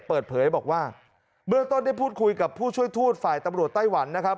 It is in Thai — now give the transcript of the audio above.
เปิดเผยบอกว่าเบื้องต้นได้พูดคุยกับผู้ช่วยทูตฝ่ายตำรวจไต้หวันนะครับ